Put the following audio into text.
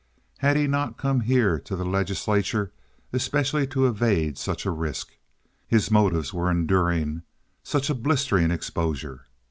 Had he not come here to the legislature especially to evade such a risk? His motives were enduring such a blistering exposure.